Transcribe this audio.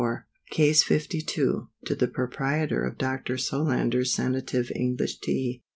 CASE LII. _To the Proprietor of Dr. Solander's Sanative English Tea.